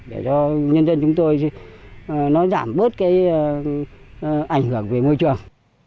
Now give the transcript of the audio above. để cho nhân dân chúng tôi nó giảm bớt cái ảnh hưởng về môi trường